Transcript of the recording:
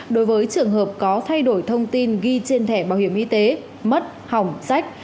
đối với trường hợp có thay đổi thông tin ghi trên thẻ bảo hiểm y tế mất hỏng sách